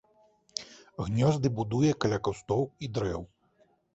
Гнёзды будуе каля кустоў і дрэў.